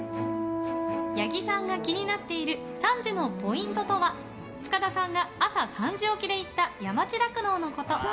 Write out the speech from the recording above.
八木さんが気になっている３時のポイントとは塚田さんが朝３時起きで行った山地酪農のこと。